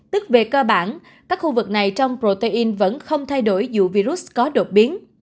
tức về cơ bản các khu vực này trong protein vẫn không thay đổi dụ virus có đột biến